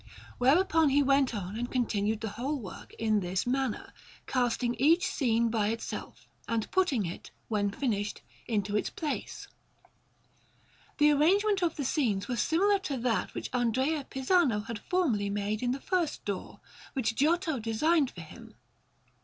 Whereupon he went on and continued the whole work in this manner, casting each scene by itself, and putting it, when finished, into its place. The arrangement of the scenes was similar to that which Andrea Pisano had formerly made in the first door, which Giotto designed for him.